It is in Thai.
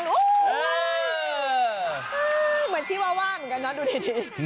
เหมือนชิวาว่าเหมือนกันนะดูดี